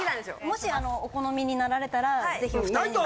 もしお好みになられたら是非お２人に。